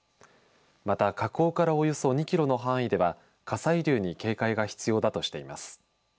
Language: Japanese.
また火口からおよそ２キロの範囲では火砕流に警戒が必要だとしています。